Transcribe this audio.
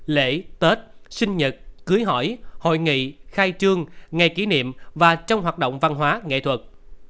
lễ tết sinh nhật cưới hỏi hội nghị khai trương ngày kỷ niệm và trong hoạt động văn hóa nghệ thuật